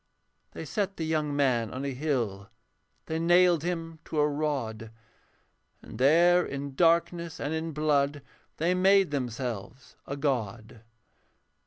They set the young man on a hill, They nailed him to a rod; And there in darkness and in blood They made themselves a god.